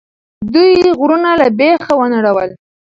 دوی غرونه له بیخه ونړول.